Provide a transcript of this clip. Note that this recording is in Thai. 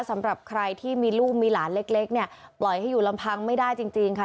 สำหรับใครที่มีลูกมีหลานเล็กเนี่ยปล่อยให้อยู่ลำพังไม่ได้จริงค่ะ